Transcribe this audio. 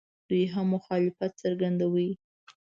دوی هم مخالفت څرګندوي.